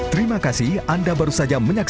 terima kasih ya pak